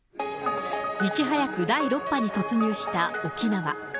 いち早く第６波に突入した沖縄。